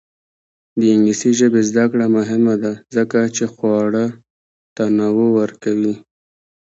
د انګلیسي ژبې زده کړه مهمه ده ځکه چې خواړه تنوع ورکوي.